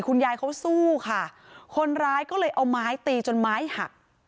ยายเขาสู้ค่ะคนร้ายก็เลยเอาไม้ตีจนไม้หัก